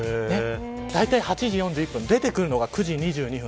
だいたい８時４１分出てくるのが９時２２分。